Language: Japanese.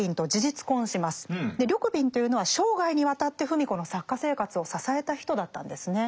緑敏というのは生涯にわたって芙美子の作家生活を支えた人だったんですね。